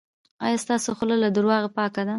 ایا ستاسو خوله له درواغو پاکه ده؟